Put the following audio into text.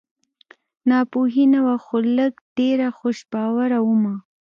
ناپوهي نه وه خو لږ ډېره خوش باوره ومه